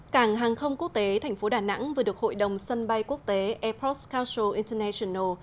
cảng hàng không quốc tế tp đà nẵng vừa được hội đồng sân bay quốc tế air force council international